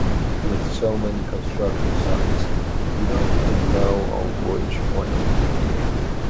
With so many construction sites, you don’t even know on which one to begin.